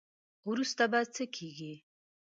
وروسته به څه کیږي.